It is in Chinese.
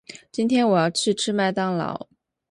今天我要去吃麦当劳。